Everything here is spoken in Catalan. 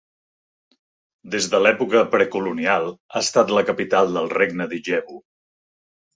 Des de l'època precolonial ha estat la capital del regne d'Ijebu.